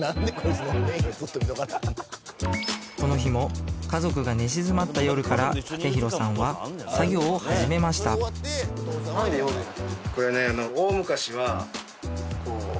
この日も家族が寝静まった夜から建裕さんは作業を始めましただそうです